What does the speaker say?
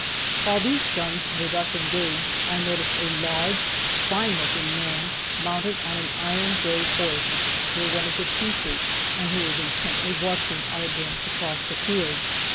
While these guns were thus engaged, I noticed a large, fine looking man, mounted on an iron gray horse, near one of the pieces, and who was intently watching our advance across the field.